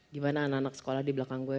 gimana anak anak sekolah di belakang gue